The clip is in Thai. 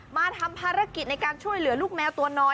มาทำภารกิจในการช่วยเหลือลูกแมวตัวน้อย